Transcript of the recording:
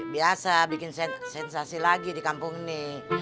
biasa bikin sensasi lagi di kampung ini